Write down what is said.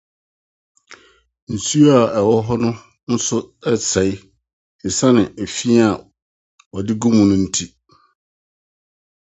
Nsu a ɛwɔ hɔ no nso resɛe esiane efĩ a wɔde gu mu nti.